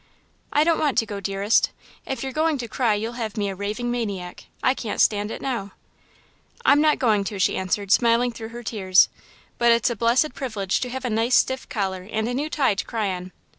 "I don't want to go, dearest. If you're going to cry, you'll have me a raving maniac. I can't stand it, now." "I'm not going to," she answered, smiling through her tears, "but it's a blessed privilege to have a nice stiff collar and a new tie to cry on."